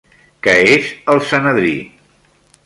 Què és el Sanedrí?